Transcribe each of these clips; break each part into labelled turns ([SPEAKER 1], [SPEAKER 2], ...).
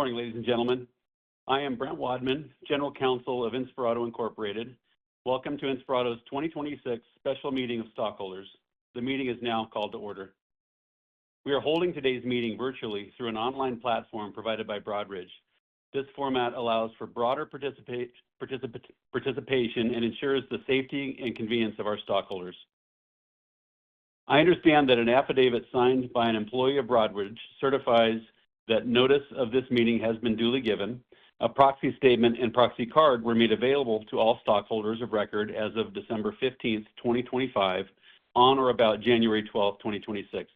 [SPEAKER 1] Good morning, ladies and gentlemen. I am Brent Wadman, General Counsel of Inspirato Incorporated. Welcome to Inspirato's 2026 special meeting of stockholders. The meeting is now called to order. We are holding today's meeting virtually through an online platform provided by Broadridge. This format allows for broader participation, and ensures the safety and convenience of our stockholders. I understand that an affidavit signed by an employee of Broadridge certifies that notice of this meeting has been duly given. A proxy statement and proxy card were made available to all stockholders of record as of December 15, 2025, on or about January 12, 2026.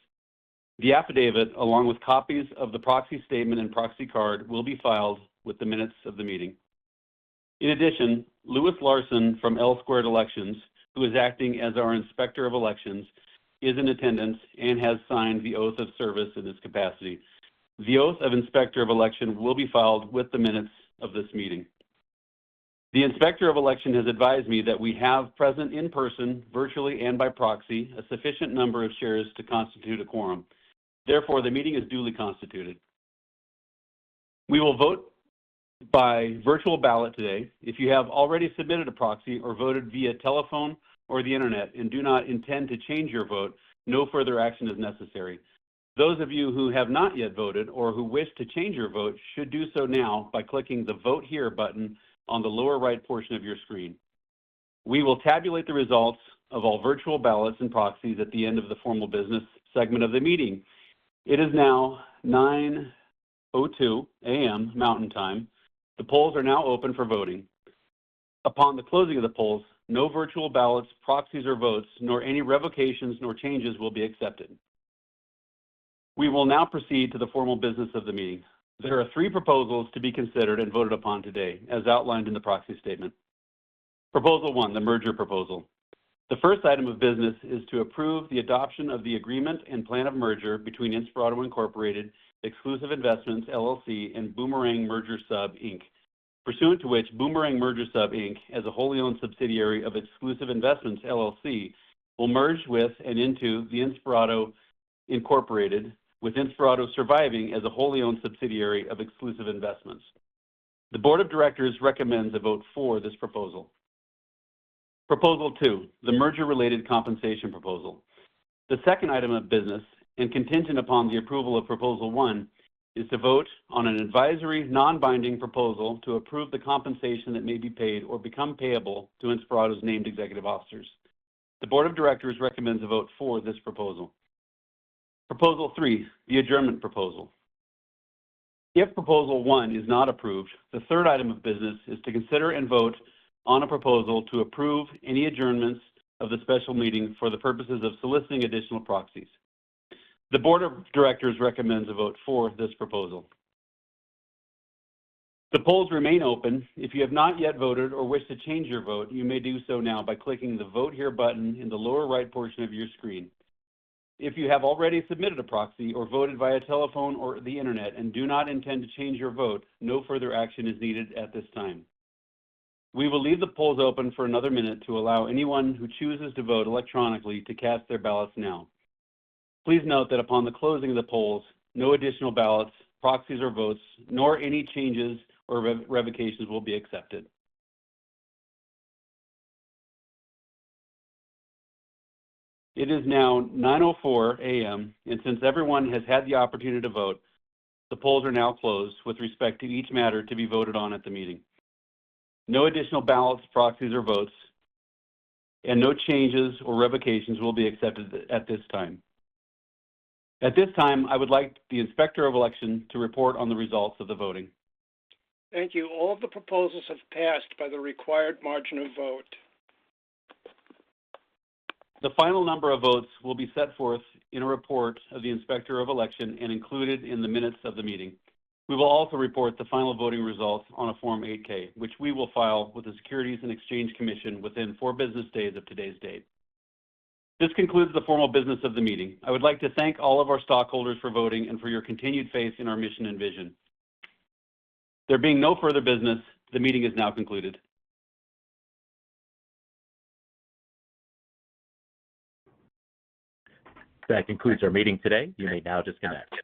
[SPEAKER 1] The affidavit, along with copies of the proxy statement and proxy card, will be filed with the minutes of the meeting. In addition, Louis Larsen from L-Squared Elections, who is acting as our Inspector of Elections, is in attendance and has signed the oath of service in this capacity. The oath of Inspector of Election will be filed with the minutes of this meeting. The Inspector of Election has advised me that we have present in person, virtually, and by proxy, a sufficient number of shares to constitute a quorum. Therefore, the meeting is duly constituted. We will vote by virtual ballot today. If you have already submitted a proxy or voted via telephone or the internet and do not intend to change your vote, no further action is necessary. Those of you who have not yet voted or who wish to change your vote should do so now by clicking the Vote Here button on the lower right portion of your screen. We will tabulate the results of all virtual ballots and proxies at the end of the formal business segment of the meeting. It is now 9:02 A.M. Mountain Time. The polls are now open for voting. Upon the closing of the polls, no virtual ballots, proxies or votes, nor any revocations, nor changes will be accepted. We will now proceed to the formal business of the meeting. There are three proposals to be considered and voted upon today, as outlined in the proxy statement. Proposal one, the merger proposal. The first item of business is to approve the adoption of the agreement and plan of merger between Inspirato Incorporated, Exclusive Investments, LLC, and Boomerang Merger Sub, Inc. Pursuant to which, Boomerang Merger Sub, Inc., as a wholly owned subsidiary of Exclusive Investments, LLC, will merge with and into Inspirato Incorporated, with Inspirato surviving as a wholly owned subsidiary of Exclusive Investments. The board of directors recommends a vote for this proposal. Proposal two, the merger-related compensation proposal. The second item of business, and contingent upon the approval of proposal one, is to vote on an advisory, non-binding proposal to approve the compensation that may be paid or become payable to Inspirato's named executive officers. The board of directors recommends a vote for this proposal. Proposal three, the adjournment proposal. If proposal one is not approved, the third item of business is to consider and vote on a proposal to approve any adjournments of the special meeting for the purposes of soliciting additional proxies. The board of directors recommends a vote for this proposal. The polls remain open. If you have not yet voted or wish to change your vote, you may do so now by clicking the Vote Here button in the lower right portion of your screen. If you have already submitted a proxy or voted via telephone or the internet and do not intend to change your vote, no further action is needed at this time. We will leave the polls open for another minute to allow anyone who chooses to vote electronically to cast their ballots now. Please note that upon the closing of the polls, no additional ballots, proxies, or votes, nor any changes or revocations will be accepted. It is now 9:04 A.M., and since everyone has had the opportunity to vote, the polls are now closed with respect to each matter to be voted on at the meeting. No additional ballots, proxies or votes, and no changes or revocations will be accepted at this time. At this time, I would like the Inspector of Election to report on the results of the voting.
[SPEAKER 2] Thank you. All the proposals have passed by the required margin of vote.
[SPEAKER 1] The final number of votes will be set forth in a report of the Inspector of Election and included in the minutes of the meeting. We will also report the final voting results on a Form 8-K, which we will file with the Securities and Exchange Commission within four business days of today's date. This concludes the formal business of the meeting. I would like to thank all of our stockholders for voting and for your continued faith in our mission and vision. There being no further business, the meeting is now concluded.
[SPEAKER 3] That concludes our meeting today. You may now disconnect.